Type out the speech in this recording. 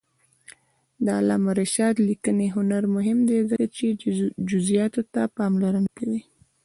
د علامه رشاد لیکنی هنر مهم دی ځکه چې جزئیاتو ته پاملرنه کوي.